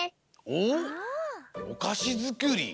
おかしづくり。